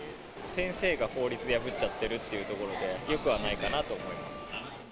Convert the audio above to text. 先生が法律を破っちゃってるっていうところで、よくはないかなと思います。